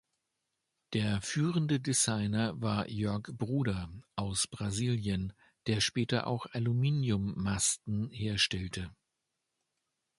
Der führende Designer war Jörg Bruder aus Brasilien, der später auch Aluminium-Masten herstellte.